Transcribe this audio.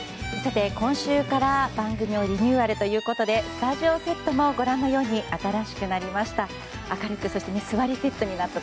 今週から、番組がリニューアルということでスタジオセットもご覧のように新しくなりました。